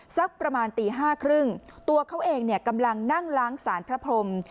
สักประมาณตี๕๓๐ตัวเขาเองกำลังนั่งล้างสารพระพรหม